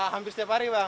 hampir setiap hari bang